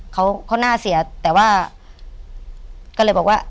เขาเขาน่าเสียแต่ว่าก็เลยบอกว่า